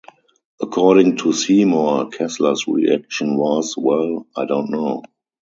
According to Seymour, Kessler's reaction was, Well, I don't know.